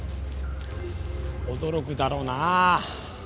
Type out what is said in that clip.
驚くだろうなー。